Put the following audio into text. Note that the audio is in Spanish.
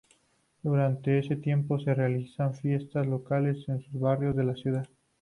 Durante ese tiempo se realizaban fiestas locales en los barrios de la ciudad.